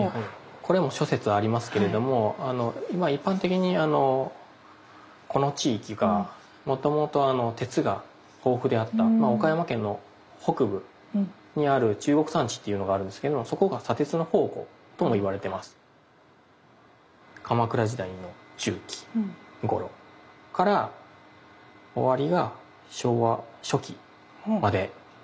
これも諸説ありますけれども一般的にこの地域がもともと鉄が豊富であった岡山県の北部にある中国山地っていうのがあるんですけどそこが鎌倉時代の中期ごろから終わりが昭和初期までなんです。